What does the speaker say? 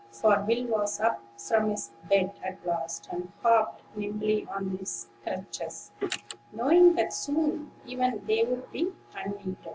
for Will was up from his bed at last, and hopped nimbly on his crutches, knowing that soon even they would be unneeded.